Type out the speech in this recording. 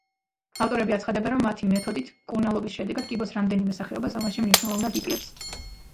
ავტორები აცხადებენ, რომ მათი მეთოდით მკურნალობის შედეგად, კიბოს რამდენიმე სახეობა ზომაში მნიშვნელოვნად იკლებს.